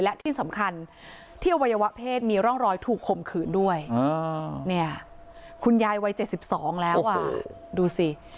และที่สำคัญที่อวัยวะเพศมีร่องรอยถูกข่มขืนด้วยเนี่ยคุณยายวัย๗๒แล้วอ่ะดูสิ